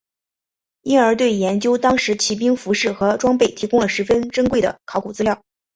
因而对研究当时骑兵服饰和装备提供了十分珍贵的考古资料。